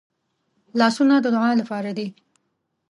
لاسونه د دعا لپاره دي